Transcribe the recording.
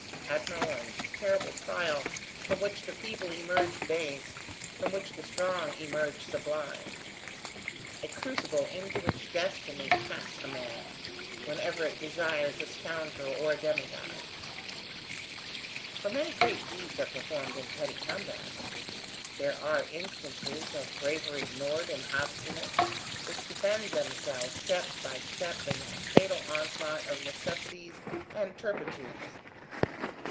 Admirable and terrible trial from which the feeble emerge base, from which the strong emerge sublime. A crucible into which destiny casts a man, whenever it desires a scoundrel or a demi god. For many great deeds are performed in petty combats. There are instances of bravery ignored and obstinate, which defend themselves step by step in that fatal onslaught of necessities and turpitudes.